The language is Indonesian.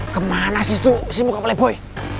kemana sih tu si muka peleboy